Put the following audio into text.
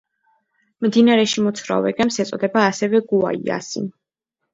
მდინარეში მოცურავე გემს ეწოდება ასევე გუაიასი.